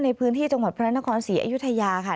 ในพื้นที่จังหวัดพระนครศรีอยุธยาค่ะ